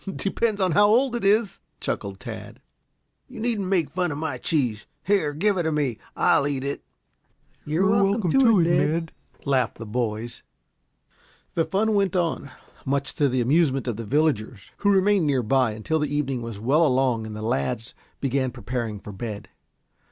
"Depends upon how old it is," chuckled Tad. "You needn't make fun of my cheese. Here give it to me; I'll eat it." "You're welcome to it, Ned," laughed the boys. The fun went on, much to the amusement of the villagers, who remained near by until the evening was well along and the lads began preparing for bed.